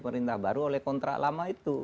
pemerintah baru oleh kontrak lama itu